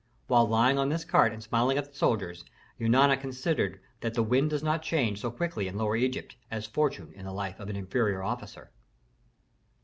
While lying on this cart and smiling at the soldiers, Eunana considered that the wind does not change so quickly in Lower Egypt as fortune in the life of an inferior officer.